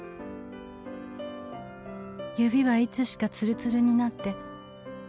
「指はいつしかつるつるになって」